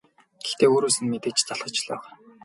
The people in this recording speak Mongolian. Гэхдээ өөрөөс нь мэдээж залхаж л байгаа.